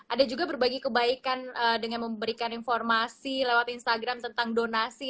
ada juga berbagi kebaikan dengan memberikan informasi lewat instagram tentang donasi